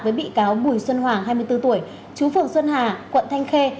với bị cáo bùi xuân hoàng hai mươi bốn tuổi chú phường xuân hà quận thanh khê